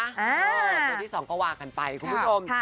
ส่วนที่สองก็วางกันไปคุณผู้ชม